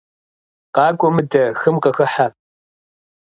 КъакӀуэ мыдэ, хым къыхыхьэ.